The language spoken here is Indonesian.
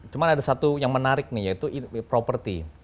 cuma ada satu yang menarik nih yaitu properti